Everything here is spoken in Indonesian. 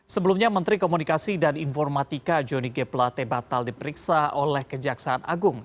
sebelumnya menteri komunikasi dan informatika johnny g pelate batal diperiksa oleh kejaksaan agung